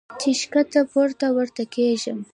چې ښکته پورته ورته کېږم -